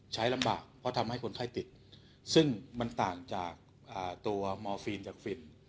ใช้ลำบากเพราะทำให้คนไข้ติดซึ่งมันต่างจากตัวมอร์ฟีนจากฟิน